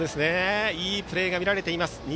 いいプレー見られています。